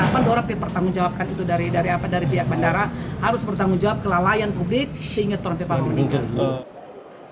pasti pertanggungjawabkan itu dari pihak bandara harus bertanggungjawab ke lalayan publik seingat perantikan penyelenggara